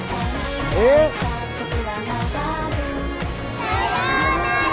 ええ？さようなら。